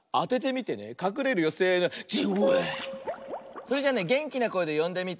それじゃあねげんきなこえでよんでみて。